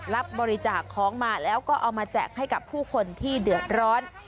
รับบริจาคของมาแล้วก็เอามาแจกให้กับผู้คนที่เดือดร้อน